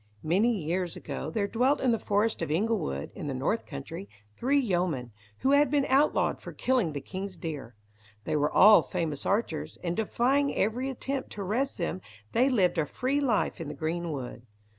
Many years ago there dwelt in the forest of Inglewood, in the North country, three yeomen, who had been outlawed for killing the king's deer. They were all famous archers, and defying every attempt to arrest them, they lived a free life in the green wood.